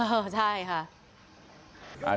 เออใช่ค่ะ